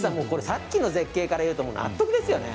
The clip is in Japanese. さっきの絶景からいっても納得ですよね。